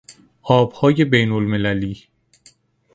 آبهای بینالمللی